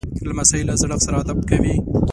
لمسی له زړښت سره ادب کوي.